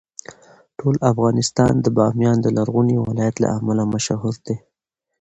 ټول افغانستان د بامیان د لرغوني ولایت له امله مشهور دی.